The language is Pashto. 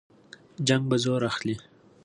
جنګ به زور اخلي.